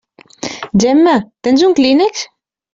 Gemma, tens un clínex?